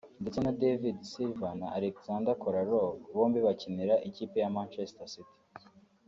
ndetse na David Silva na Aleksandar Kolarov bombi bakinira ikipe ya Manchester city